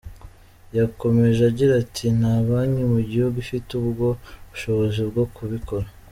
Yakomeje agira ati “Nta banki mu gihugu ifite ubwo bushobozi bwo kubikora.